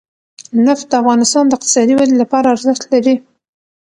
نفت د افغانستان د اقتصادي ودې لپاره ارزښت لري.